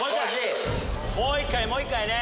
もう一回もう一回ね。